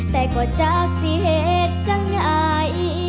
แต่ก็จักษ์สิเหตุจังไหน